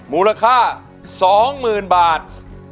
มูลค่า๒๐๐๐๐บาท